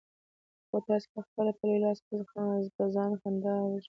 خو تاسې پخپله په لوی لاس په ځان خندا وژنئ.